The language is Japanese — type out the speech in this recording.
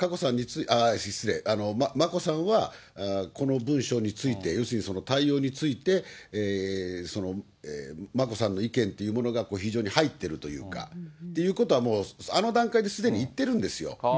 眞子さんはこの文書について、要するにその対応について、眞子さんの意見というものが非常に入っているというかっていうことは、もうあの段階ですでに言ってるんですよ。